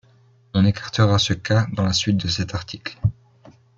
On écartera ce cas dans la suite de cet article.